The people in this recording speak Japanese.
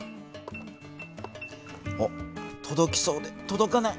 おっとどきそうでとどかない。